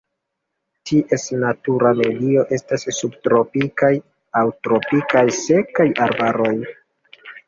Ties natura medio estas subtropikaj aŭ tropikaj sekaj arbaroj.